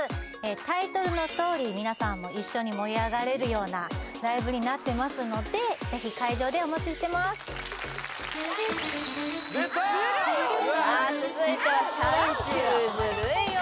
タイトルのとおり皆さんも一緒に盛り上がれるようなライブになってますのでぜひ会場でお待ちしてます・出たさあ続いてはシャ乱Ｑ「ズルい女」